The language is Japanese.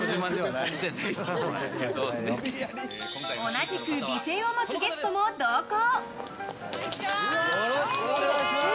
同じく美声を持つゲストも同行。